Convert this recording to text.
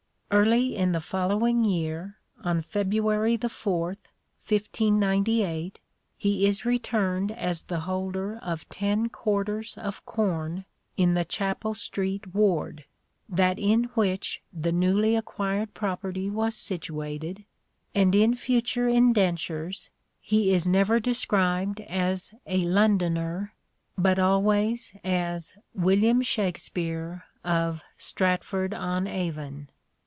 Early in the following year, THE STRATFORDIAN VIEW 57 on February the 4th, 1598, he is returned as the holder of ten quarters of corn in the Chapel Street ward, that in which the newly acquired property was situated, and in future indentures he is never described as a Londoner, but always as William Shakespeare of Stratford on Avon."